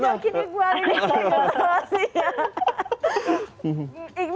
iya dong ajakin gue